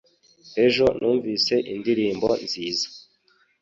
Ejo numvise indirimbo nziza